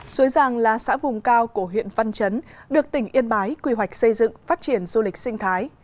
xuế giàng là xã vùng cao của huyện văn chấn được tỉnh yên bái quy hoạch xây dựng phát triển du lịch sinh thái